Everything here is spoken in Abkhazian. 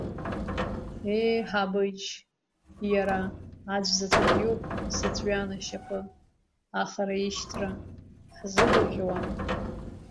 Ее, Ҳабыџь, иара аӡә заҵәык иоуп сыҵәҩан ашьапы, ахара ишьҭра ҳзыгәаӷьуам…